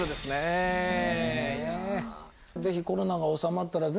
是非コロナが収まったらね